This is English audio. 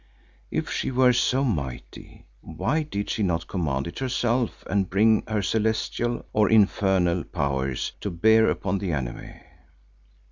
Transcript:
If she were so mighty, why did she not command it herself and bring her celestial, or infernal, powers to bear upon the enemy?